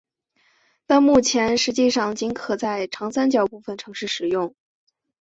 但目前实际上仅可在长三角部分城市使用。